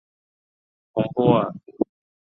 蓬波尔。